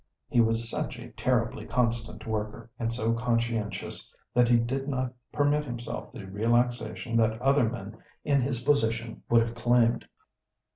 He was such a terribly constant worker, and so conscientious that he did not permit himself the relaxation that other men in his position would have claimed.